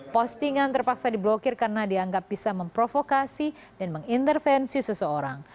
postingan terpaksa diblokir karena dianggap bisa memprovokasi dan mengintervensi seseorang